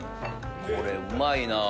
これうまいな。